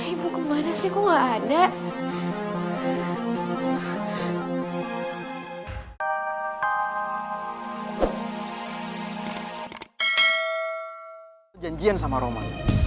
ibu kemana sih kok gak ada